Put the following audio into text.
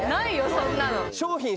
そんなの。